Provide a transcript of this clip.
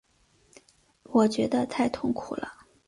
我觉得太痛苦了